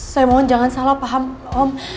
saya mohon jangan salah paham om